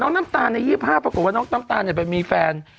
น้องน้ำตาล๒๕ปรากฏว่าน้องน้ำตาลแต่แม่มีแฟน